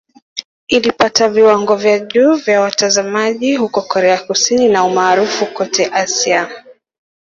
Ilipata viwango vya juu vya watazamaji huko Korea Kusini na umaarufu kote Asia.